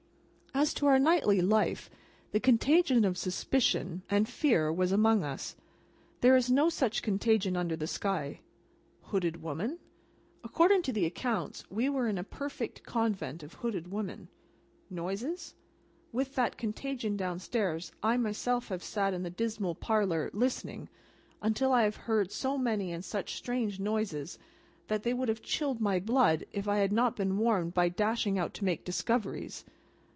As to our nightly life, the contagion of suspicion and fear was among us, and there is no such contagion under the sky. Hooded woman? According to the accounts, we were in a perfect Convent of hooded women. Noises? With that contagion downstairs, I myself have sat in the dismal parlour, listening, until I have heard so many and such strange noises, that they would have chilled my blood if I had not warmed it by dashing out to make discoveries.